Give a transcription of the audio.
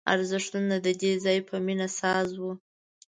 ارزښتونه د دې ځای په مینه ساز وو